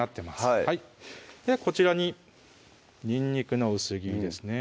はいこちらににんにくの薄切りですね